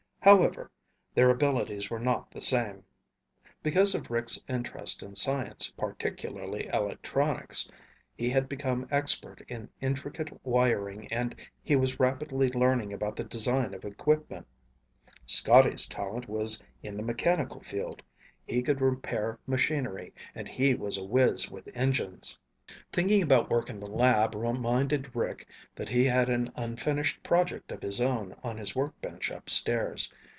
However, their abilities were not the same. Because of Rick's interest in science, particularly electronics, he had become expert in intricate wiring and he was rapidly learning about the design of equipment. Scotty's talent was in the mechanical field. He could repair machinery and he was a whiz with engines. Thinking about work in the lab reminded Rick that he had an unfinished project of his own on his workbench upstairs.